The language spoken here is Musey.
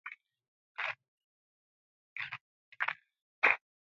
Agi va a kogiya ko cara na.